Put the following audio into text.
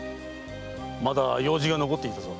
まだ用事が残っていたぞ。